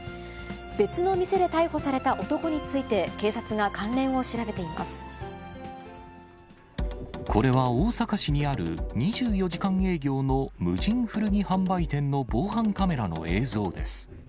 別の店で逮捕された男について、これは大阪市にある、２４時間営業の無人古着販売店の防犯カメラの映像です。